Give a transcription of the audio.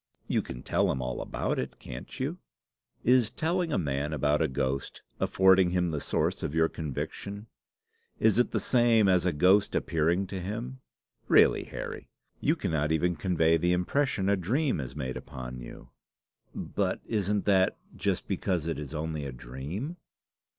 "You can tell him all about, it, can't you?" "Is telling a man about a ghost, affording him the source of your conviction? Is it the same as a ghost appearing to him? Really, Harry! You cannot even convey the impression a dream has made upon you." "But isn't that just because it is only a dream?"